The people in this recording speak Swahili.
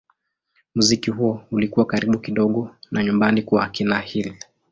Muziki huo ulikuwa karibu kidogo na nyumbani kwa kina Hill.